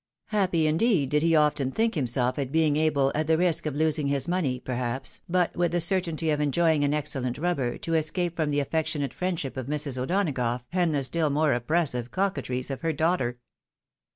Happy, indeed, did he often think himself at being able, at the risk of losing his money, perhaps, but with the certainty of enjoying an excellent rubber, to escape from the affectionate friendship of Mrs. O'Donagough, and the stiU more oppressive coquetries of her daughter.